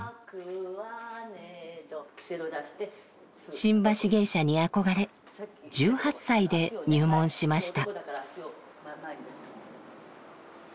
新橋芸者に憧れ１８歳で入門しました。